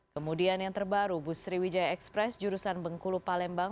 kemudian yang terbaru bus sriwijaya ekspres jurusan bengkulu palembang